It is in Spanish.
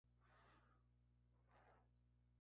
Representó a en ocho ocasiones.